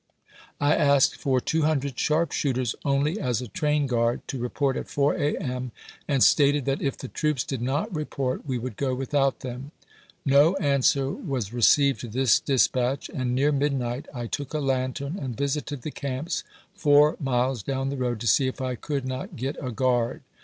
I asked for two hundred sharpshooters only as a train guard, to report at 4 a. m., and stated that if the troops did not report we would go without them. No answer was received to this dispatch, and near midnight I took a lantern and visited the camps, fom miles down the road, to see if I could not get a guard.